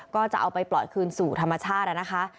ก็จะเอาไปปล่อยคืนสู่ธรรมชาตินะคะ